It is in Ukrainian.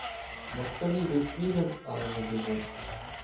Москалі йдуть слідом, але не біжать.